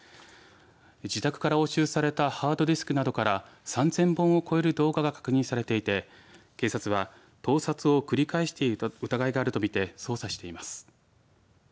自宅から押収されたハードディスクなどから３０００本を超える動画が確認されていて警察は盗撮を繰り返していた疑いがあるとみて捜査しています。